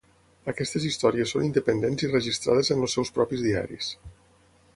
Aquestes històries són independents i registrades en els seus propis diaris.